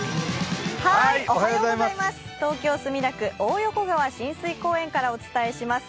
東京・墨田区、大横川親水公園からお伝えします。